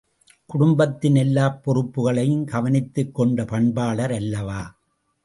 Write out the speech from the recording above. குடும்பத்தின் எல்லாப் பொறுப்புகளையும் கவனித்துக் கொண்ட பண்பாளர் அல்லவா?